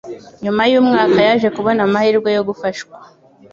Nyuma y'umwaka yaje kubona amahirwe yo gufashwa